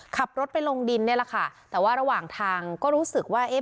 ขับรถไปลงดินนี่แหละค่ะแต่ว่าระหว่างทางก็รู้สึกว่าเอ๊ะ